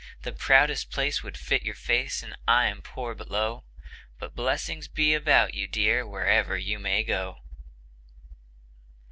The proudest place would fit your face, and I am poor and low; But blessings be about you, dear, wherever you may go!